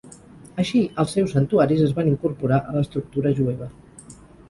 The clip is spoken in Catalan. Així, els seus santuaris es van incorporar a l'estructura jueva.